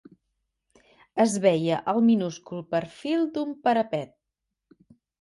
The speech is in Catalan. Es veia el minúscul perfil d'un parapet